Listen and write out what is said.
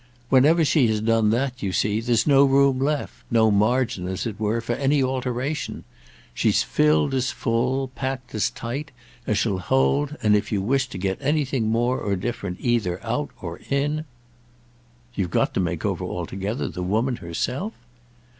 Whenever she has done that, you see, there's no room left; no margin, as it were, for any alteration. She's filled as full, packed as tight, as she'll hold and if you wish to get anything more or different either out or in—" "You've got to make over altogether the woman herself?"